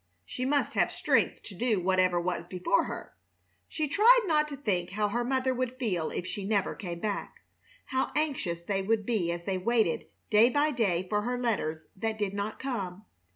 She must have strength to do whatever was before her. She tried not to think how her mother would feel if she never came back, how anxious they would be as they waited day by day for her letters that did not come.